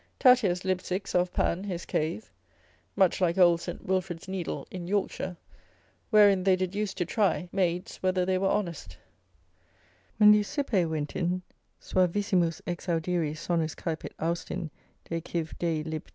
Tatius lib. 6. of Pan his cave, (much like old St. Wilfrid's needle in Yorkshire) wherein they did use to try, maids, whether they were honest; when Leucippe went in, suavissimus exaudiri sonus caepit Austin de civ. Dei lib.